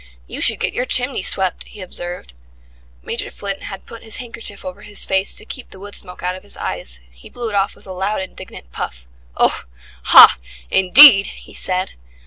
"You should get your chimney swept," he observed. Major Flint had put his handkerchief over his face to keep the wood smoke out of his eyes. He blew it off with a loud, indignant puff. "Oh! Ah! Indeed!" he said.